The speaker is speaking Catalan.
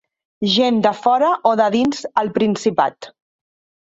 Gent de fora o de dins el Principat.